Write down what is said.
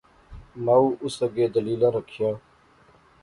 مائو اس اگے دلیلاں رکھیاں